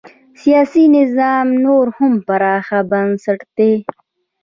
سیاسي نظام نور هم پراخ بنسټه شي.